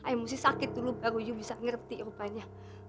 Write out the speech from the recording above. emosi sakit dulu baru you bisa ngerti rupanya